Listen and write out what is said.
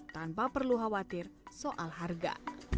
tanpa perlu khawatir soal harga